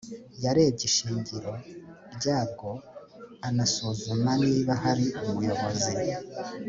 yarebye ishingiro ryabwo anasuzuma niba hari umuyobozi